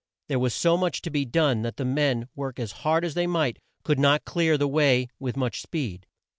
There was so much to be done that the men, work as hard as they might, could not clear the way with much speed.